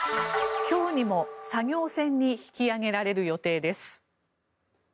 今日にも作業船に引き揚げられる予定です。